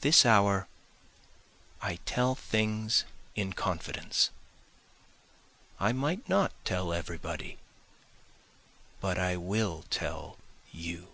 This hour I tell things in confidence, I might not tell everybody, but I will tell you.